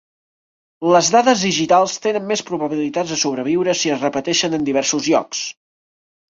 Les dades digitals tenen més probabilitats de sobreviure si es repeteixen en diversos llocs.